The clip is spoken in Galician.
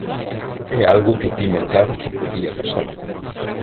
É algo que tiña claro que podía pasar.